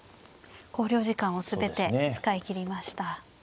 考慮時間を全て使い切りました。